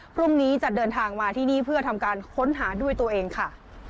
พรุ่งนี้จะเดินทางมาที่นี่เพื่อทำการค้นหาด้วยตัวเองค่ะ